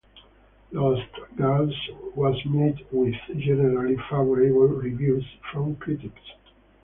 Lost Girls was met with generally favorable reviews from critics.